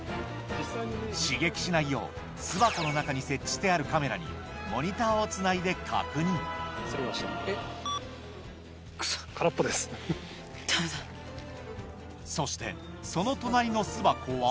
刺激しないよう巣箱の中に設置してあるカメラにモニターをつないで確認そしてその隣の巣箱は